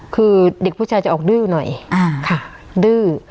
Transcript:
คือเด็กผู้ชายจะออกดื้อหน่อยดื้อ